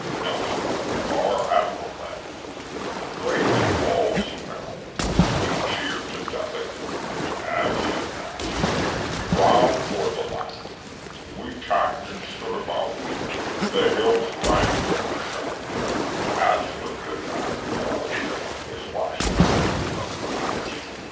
Nelson, our admiral then, Greatest of all seamen, We cheered to death again As he pass'd; 'Round toward the land We tacked and stood about The hills rang to our shout As lifted and blew out His last command From the mast.